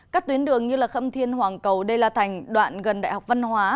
các tuyến đường như khâm thiên hoàng cầu đê la thành đoạn gần đại học văn hóa